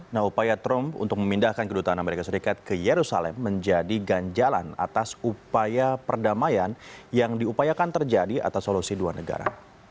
nah upaya trump untuk memindahkan kedutaan amerika serikat ke yerusalem menjadi ganjalan atas upaya perdamaian yang diupayakan terjadi atas solusi dua negara